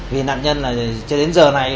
vì nạn nhân đến giờ này